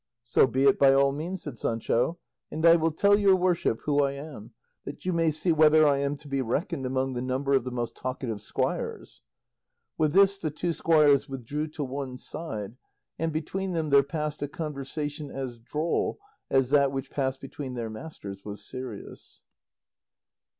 "So be it by all means," said Sancho; "and I will tell your worship who I am, that you may see whether I am to be reckoned among the number of the most talkative squires." With this the two squires withdrew to one side, and between them there passed a conversation as droll as that which passed between their masters was serious.